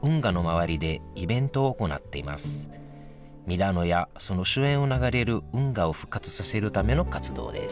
ミラノやその周辺を流れる運河を復活させるための活動です